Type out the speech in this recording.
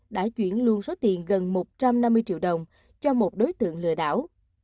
đã chuyển luôn số tiền gần một trăm năm mươi triệu đồng cho một đối tượng lừa đảo